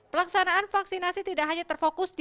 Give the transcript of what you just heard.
pelaksanaan vaksinasi tidak hanya terfokus di